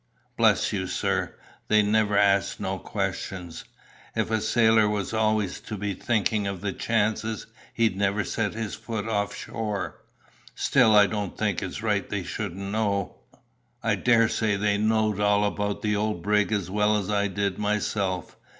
Bless you, sir, they never asks no questions. If a sailor was always to be thinking of the chances, he'd never set his foot off shore." "Still, I don't think it's right they shouldn't know." "I daresay they knowed all about the old brig as well as I did myself.